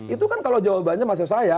itu kan kalau jawabannya maksud saya